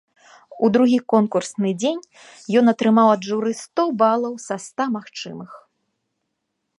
У другі конкурсны дзень ён атрымаў ад журы сто балаў са ста магчымых.